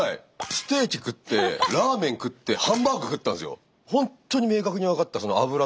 ステーキ食ってラーメン食ってハンバーグ食ったんですよ？